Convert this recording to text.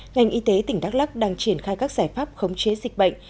ngành y tế tỉnh đắk lắc đang triển khai các giải pháp khống chế dịch bệnh